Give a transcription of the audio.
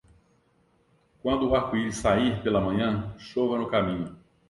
Quando o arco-íris sair pela manhã, chova no caminho.